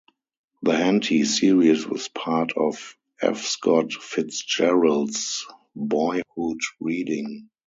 The Henty series was part of F. Scott Fitzgerald's boyhood reading.